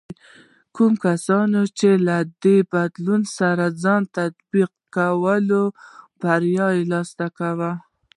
کوم کسان چې له دې بدلون سره ځان تطابق کې کوي، بریا ترلاسه کوي.